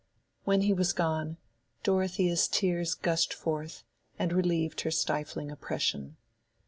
When he was gone, Dorothea's tears gushed forth, and relieved her stifling oppression.